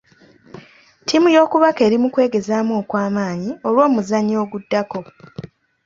Ttiimu y'okubaka eri mu kwegezaamu okw'amaanyi olw'omuzannyo oguddako.